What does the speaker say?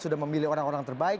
sudah memilih orang orang terbaik